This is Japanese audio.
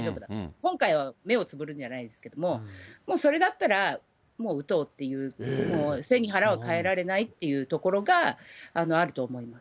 今回は目をつむるじゃないですけど、もうそれだったらもう打とうっていう、もう背に腹は代えられないっていうところがあると思うんです。